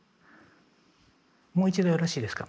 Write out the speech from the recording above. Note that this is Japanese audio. もう一度よろしいですか？